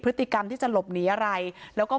พระเจ้าที่อยู่ในเมืองของพระเจ้า